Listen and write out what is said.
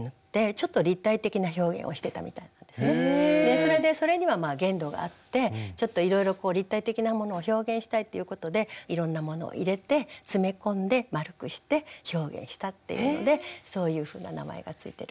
それでそれには限度があってちょっといろいろ立体的なものを表現したいっていうことでいろんなものを入れて詰め込んで丸くして表現したっていうのでそういうふうな名前が付いてる。